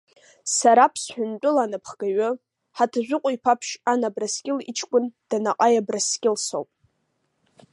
Сара Ԥсҳәантәыла анапхгаҩы Ҳаҭажәыҟәа-иԥа Ԥшьҟан Абрскьыл иҷкәын Данаҟаи Абрскьыл соуп.